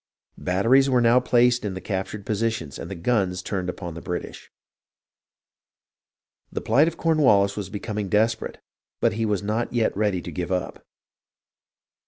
Batteries were now placed in the captured positions and the guns turned upon the British. The plight of Cornwallis was becoming desperate, but he was not yet ready to give up.